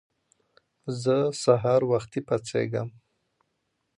زه سهار وختی پاڅیږم